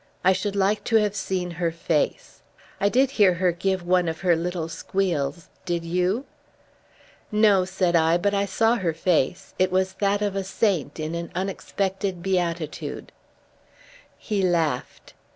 I should like to have seen her face. I did hear her give one of her little squeals. Did you?" "No," said I, "but I saw her face. It was that of a saint in an unexpected beatitude." He laughed.